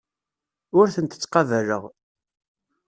Ur tent-ttqabaleɣ.